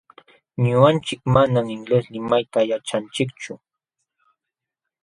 Ñuqanchik manam inglés limayta yaćhanchikchu.